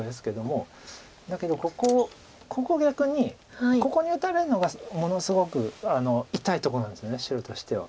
だけどここ逆にここに打たれるのがものすごく痛いとこなんです白としては。